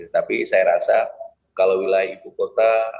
tapi saya rasa kalau wilayah ibu kota